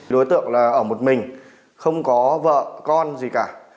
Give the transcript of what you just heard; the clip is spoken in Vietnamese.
đối tượng là ở một mình không có vợ con gì cả